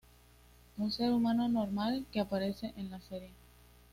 Un ser humano normal que aparece en la serie.